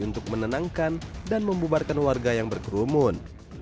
untuk menenangkan dan membubarkan warga yang berkerumun